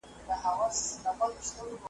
تاریخ موږ ته د عبرت درس راکوي.